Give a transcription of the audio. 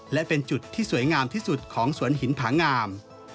และเป็นจุดที่สวยงามที่สุดของสวนหินผางาม